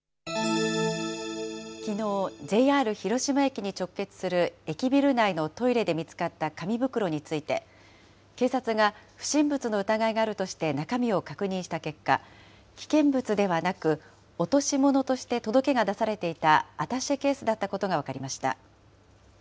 きのう、ＪＲ広島駅に直結する駅ビル内のトイレで見つかった紙袋について、警察が不審物の疑いがあるとして中身を確認した結果、危険物ではなく、落とし物として届けが出されていたアタッシェケースだったことが分かりました。